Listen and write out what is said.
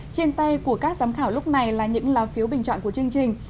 trên tay của các giám khảo lúc này là những lá phiếu bình chọn của chương trình